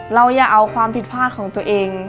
อย่าเอาความผิดพลาดของตัวเอง